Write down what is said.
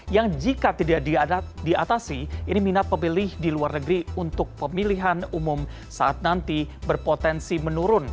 yang jika tidak diatasi ini minat pemilih di luar negeri untuk pemilihan umum saat nanti berpotensi menurun